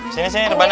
sini sini depan aja